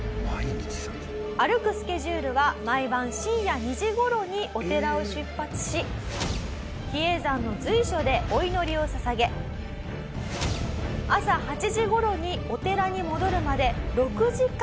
歩くスケジュールは毎晩深夜２時頃にお寺を出発し比叡山の随所でお祈りを捧げ朝８時頃にお寺に戻るまで６時間かかります。